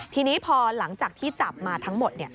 ทีนี้พอหลังจากที่จับมาทั้งหมด